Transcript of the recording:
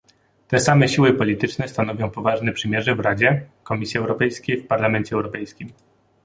Te same siły polityczne stanowią poważne przymierze w Radzie, Komisji Europejskiej w Parlamencie Europejskim